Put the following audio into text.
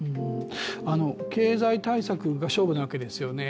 経済対策が勝負なわけですよね。